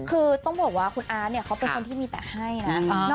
คือต้องบอกว่าคุณอาร์ตเนี่ยเขาเป็นคนที่มีแต่ให้นะ